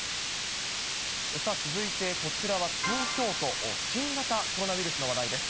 続いて、こちらは東京都、新型コロナウイルスの話題です。